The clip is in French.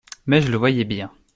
Mais je le voyais bien.